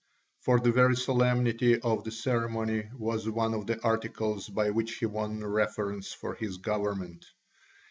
For the very solemnity of the ceremony was one of the artifices by which he won reverence for his government.